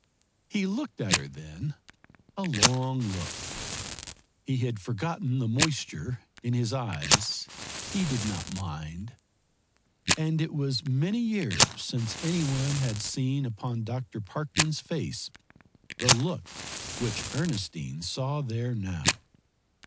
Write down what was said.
He looked at her then a long look. He had forgotten the moisture in his eyes, he did not mind. And it was many years since any one had seen upon Dr. Parkman's face the look which Ernestine saw there now.